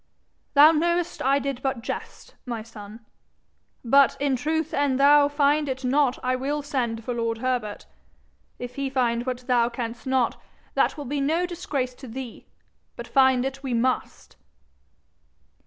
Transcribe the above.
'Thou know'st I did but jest, my son. But in truth an'thou find it not I will send for lord Herbert. If he find what thou canst not, that will be no disgrace to thee. But find it we must.'